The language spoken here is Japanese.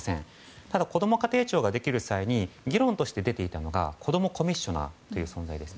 ただ、こども家庭庁ができる際に議論として出ていたのが子供コミッショナーという存在です。